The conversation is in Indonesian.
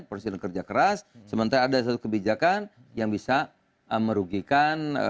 presiden kerja keras sementara ada satu kebijakan yang bisa merugikan